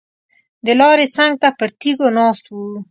د لارې څنګ ته پر تیږو ناست وو.